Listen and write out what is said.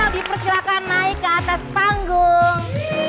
dipersilakan naik ke atas panggung